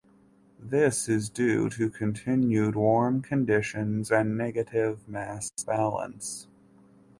This is due to continued warm conditions and negative mass balance.